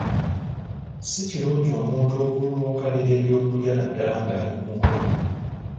Si kirungi omuntu okululunkanira ebyokulya naddala nga ali ku mukolo.